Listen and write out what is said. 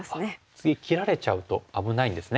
次切られちゃうと危ないんですね。